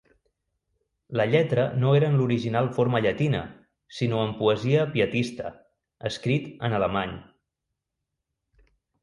La lletra no era en l'original forma llatina, sinó en poesia pietista, escrit en alemany.